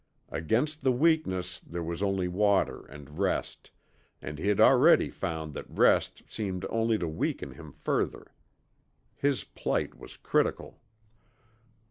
Against the weakness there was only water and rest, and he'd already found that rest seemed only to weaken him further. His plight was critical.